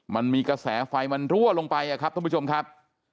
มันมีกระแสไฟมันรั่วลงไปครับท่านผู้ชมครับ